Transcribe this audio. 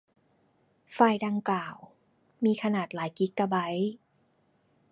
ไฟล์ดังกล่าวมีขนาดหลายกิกะไบต์